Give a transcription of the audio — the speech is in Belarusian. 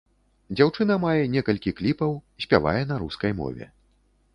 Дзяўчына мае некалькі кліпаў, спявае на рускай мове.